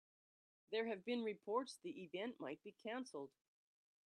There have been reports the event might be canceled.